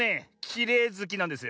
きれいずきなんですよ。